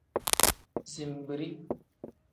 Zinbiri.